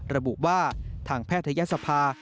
ระบุว่าทางแพทยศภา